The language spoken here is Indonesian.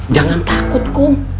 jangan takut kum